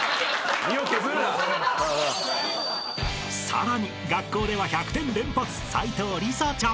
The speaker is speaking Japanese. ［さらに学校では１００点連発齋藤吏沙ちゃん］